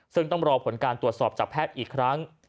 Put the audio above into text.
ซึ่งต้องรอผลการตรวจสอบจากแพทย์อีกครั้ง